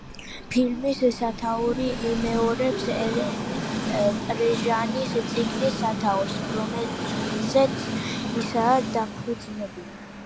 ფილმის სათაური იმეორებს ელენ პრეჟანის წიგნის სათაურს, რომელზეც ისაა დაფუძნებული.